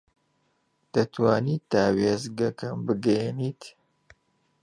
دەتوانیت تا وێستگەکەم بگەیەنیت؟